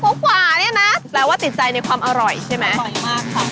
หกโมงกว่าเนี่ยนะแปลว่าติดใจในความอร่อยใช่ไหม